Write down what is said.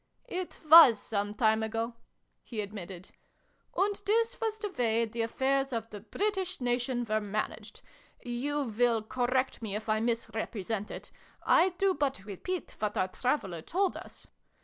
" It was some time ago," he admitted. "And this was the way the affairs of the British Nation were managed. (You will correct me if I misrepresent it. I do but repeat what our traveler told us.)